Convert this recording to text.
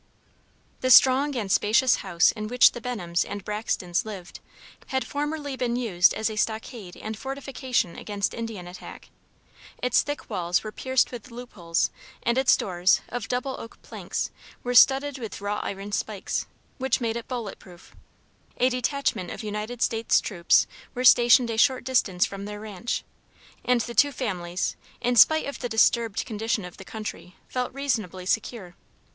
The strong and spacious house in which the Benhams and Braxtons lived had formerly been used as a stockade and fortification against Indian attack. Its thick walls were pierced with loop holes, and its doors, of double oak planks, were studded with wrought iron spikes, which made it bullet proof. A detachment of United States troops were stationed a short distance from their ranch, and the two families, in spite of the disturbed condition of the country, felt reasonably secure.